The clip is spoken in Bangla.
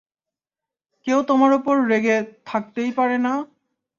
কেউ তোমার উপর রেগে, থাকতেই পারে না।